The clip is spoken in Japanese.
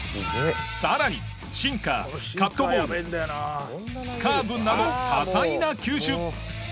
更にシンカーカットボールカーブなど多彩な球種。